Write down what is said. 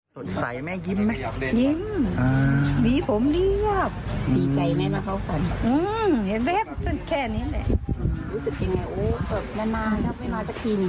สวัสดีค่ะ